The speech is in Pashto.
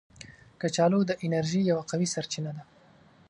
کچالو د انرژي یو قوي سرچینه ده